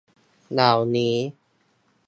เหล่านี้